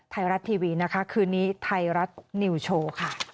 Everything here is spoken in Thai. ไทยรัตน์ทีวีคืนนี้ไทยรัตน์นิวโชว์